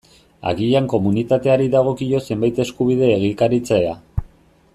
Agian komunitateari dagokio zenbait eskubide egikaritzea.